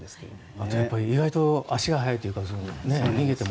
あと意外と足が速いというか逃げても。